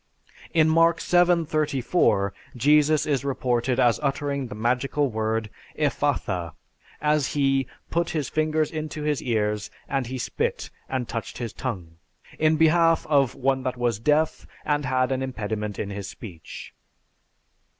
In Mark VII:34, Jesus is reported as uttering the magical word "Ephphatha," as he "put his fingers into his ears, and he spit, and touched his tongue" in behalf of "one that was deaf, and had an impediment in his speech."